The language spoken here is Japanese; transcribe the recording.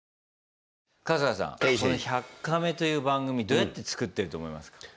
この「１００カメ」という番組どうやって作ってると思いますか？